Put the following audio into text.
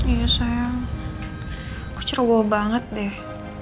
iya sayang aku ceroboh banget deh